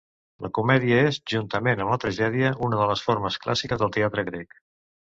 La comèdia és, juntament amb la tragèdia, una de les formes clàssiques del teatre grec.